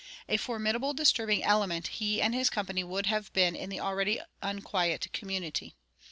A formidable disturbing element he and his company would have been in the already unquiet community.